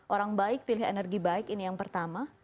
orang baik pilih energi baik ini yang pertama